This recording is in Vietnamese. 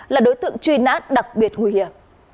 là đối tượng truy nã đặc biệt nguy hiểm